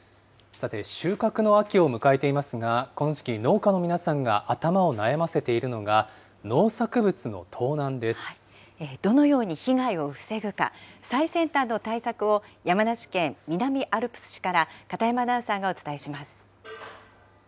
さて、収穫の秋を迎えていますが、この時期、農家の皆さんが頭を悩ませているのが、どのように被害を防ぐか、最先端の対策を、山梨県南アルプス市から片山アナウンサーがお伝えします。